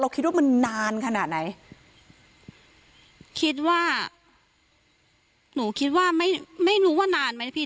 คิดว่ามันนานขนาดไหนคิดว่าหนูคิดว่าไม่ไม่รู้ว่านานไหมพี่